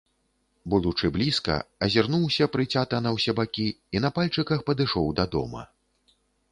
Будучы блізка, азірнуўся прыцята на ўсе бакі і на пальчыках падышоў да дома.